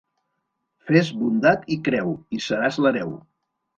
Fes bondat i creu, i seràs l'hereu.